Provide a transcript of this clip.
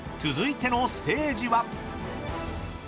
［続いてのステージは］